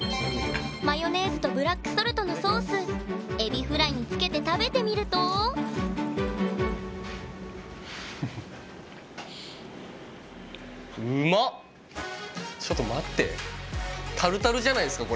マヨネーズとブラックソルトのソースエビフライにつけて食べてみると⁉そうなんですよ。